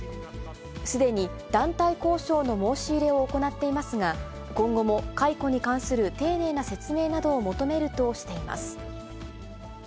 すでに団体交渉の申し入れを行っていますが、今後も解雇に関する丁寧な説明などを求めるとしています。